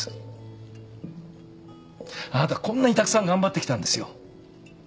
こんなにたくさん頑張ってきたんですよ。